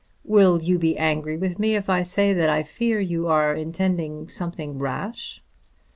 "Will you be angry with me if I say that I fear you are intending something rash?"